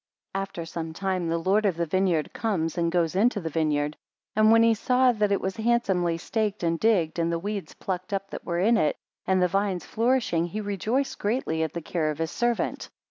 14 After some time the lord of the vineyard comes and goes into the vineyard, and when he saw that it was handsomely staked and digged, and the weeds plucked up that were in it, and the vines flourishing, he rejoiced greatly at the care of his servant.